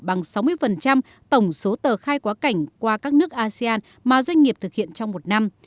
bằng sáu mươi tổng số tờ khai quá cảnh qua các nước asean mà doanh nghiệp thực hiện trong một năm